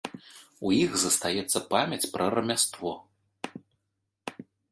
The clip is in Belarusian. У іх застаецца памяць пра рамяство.